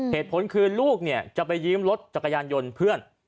เหตุผลคือลูกเนี่ยจะไปยืมรถจักรยานยนต์เพื่อน